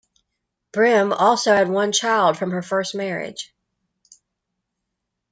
Brim also had one child from her first marriage.